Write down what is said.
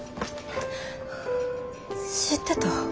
知ってた？